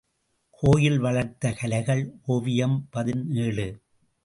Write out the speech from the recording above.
கோயில் வளர்த்த கலைகள் ஓவியம் பதினேழு .